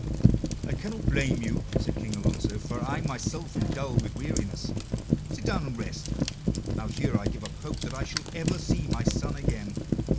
"I cannot blame you," said King Alonso, "for I myself am dull with weariness. Sit down and rest. Now here I give up hope that I shall ever see my son again.